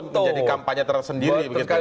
menjadi kampanye tersendiri